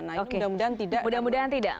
nah ini mudah mudahan tidak